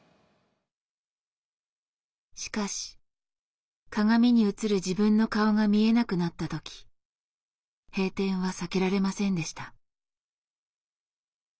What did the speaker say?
しかし鏡に映る自分の顔が見えなくなった時閉店は避けられませんでした。